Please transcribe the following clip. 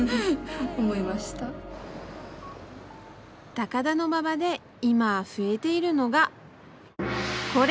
高田馬場で今増えているのがこれ！